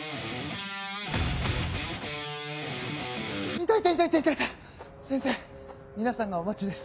いたいたいた先生皆さんがお待ちです。